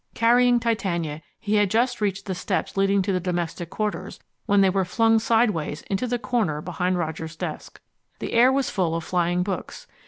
Carrying Titania, he had just reached the steps leading to the domestic quarters when they were flung sideways into the corner behind Roger's desk. The air was full of flying books.